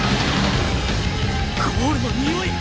ゴールのにおい！？